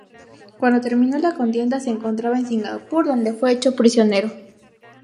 Cuando terminó la contienda se encontraba en Singapur, donde fue hecho prisionero.